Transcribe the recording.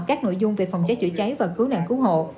các nội dung về phòng cháy chữa cháy và cứu nạn cứu hộ